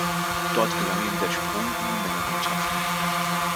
Dort gelang ihm der Sprung in die Männermannschaft.